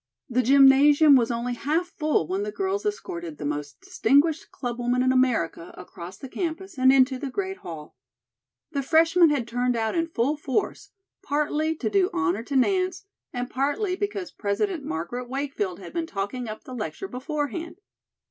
The gymnasium was only half full when the girls escorted "the most distinguished clubwoman in America" across the campus and into the great hall. The freshmen had turned out in full force, partly to do honor to Nance and partly because President Margaret Wakefield had been talking up the lecture beforehand.